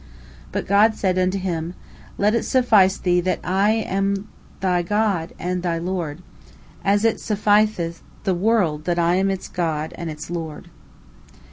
But God said unto him, "Let it suffice thee that I am thy God and thy Lord, as it sufficeth the world that I am its God and its Lord."